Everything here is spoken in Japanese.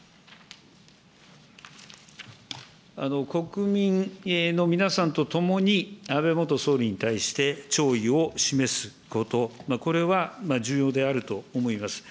国民の皆さんと共に、安倍元総理に対して弔意を示すこと、これは重要であると思います。